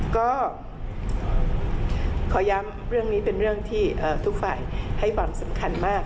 ก็ขอย้ำเรื่องนี้เป็นเรื่องที่ทุกฝ่ายให้ความสำคัญมาก